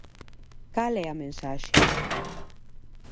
¿Cal é a mensaxe?